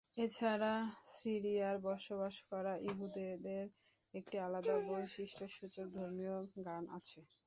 এছাড়া সিরিয়ায় বসবাস করা ইহুদিদের একটি আলাদা বৈশিষ্ট্যসূচক ধর্মীয় গান আছে।